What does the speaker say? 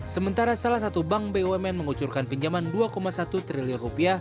sementara salah satu bank bumn mengucurkan pinjaman rp dua satu triliun